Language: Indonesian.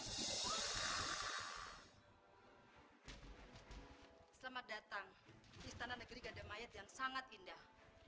selamat datang istana negeri gada mayat yang sangat indah